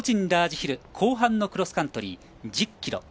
ラージヒル後半のクロスカントリー１０ｋｍ。